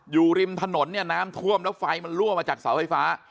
อยู่ริมถนนเนี่ยน้ำท่วมแล้วไฟมันรั่วมาจากเสาไฟฟ้า